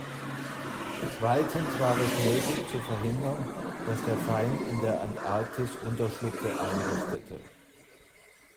Zweitens war es nötig zu verhindern, dass der Feind in der Antarktis Unterschlupfe einrichtete.